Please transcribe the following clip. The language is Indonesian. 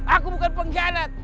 aku bukan pengkhianat